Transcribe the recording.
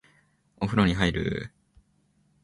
お風呂に入る